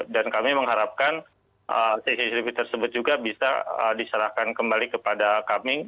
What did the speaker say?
dan kami mengharapkan cctv tersebut juga bisa diserahkan kembali kepada kami